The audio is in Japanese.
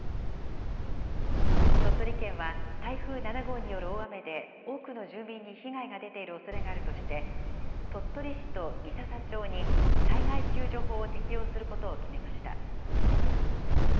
鳥取県は、台風７号による大雨で、多くの住民に被害が出ているおそれがあるとして、鳥取市と三朝町に災害救助法を適用することを決めました。